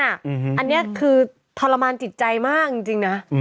อันนี้คือทรมานจิตใจมากจริงนะ